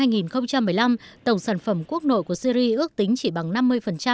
năm hai nghìn một mươi năm tổng sản phẩm quốc nội của syri ước tính chỉ bằng năm mươi năm hai nghìn một mươi